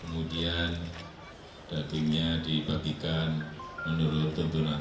kemudian datingnya dibagikan menurut tuhan